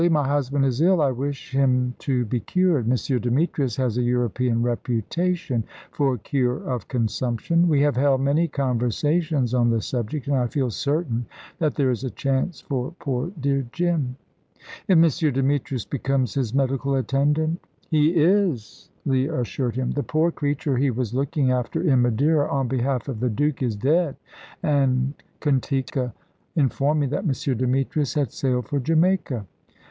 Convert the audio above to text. My husband is ill. I wish him to be cured. M. Demetrius has a European reputation for cure of consumption. We have held many conversations on the subject, and I feel certain that there is a chance for poor dear Jim." "If M. Demetrius becomes his medical attendant?" "He is," Leah assured him. "The poor creature he was looking after in Madeira, on behalf of the Duke, is dead, and Katinka informed me that M. Demetrius had sailed for Jamaica."